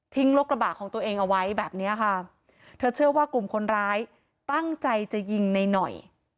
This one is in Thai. รถกระบะของตัวเองเอาไว้แบบเนี้ยค่ะเธอเชื่อว่ากลุ่มคนร้ายตั้งใจจะยิงในหน่อย